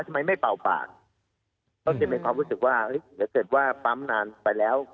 ทำไมไม่เป่าปากเขาจะมีความรู้สึกว่าถ้าเกิดว่าปั๊มนานไปแล้ว